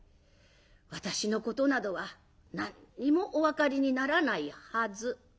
私のことなどは何にもお分かりにならないはず」。